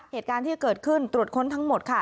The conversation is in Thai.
เหตุการณ์ที่เกิดขึ้นตรวจค้นทั้งหมดค่ะ